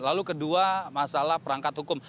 lalu kedua masalah perangkat hukum